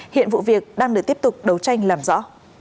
hiện vụ việc đang được tiếp tục đấu tranh làm rõ